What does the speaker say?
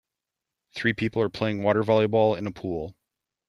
Three people are playing water volleyball in a pool